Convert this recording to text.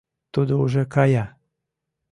— Тудо уже кая.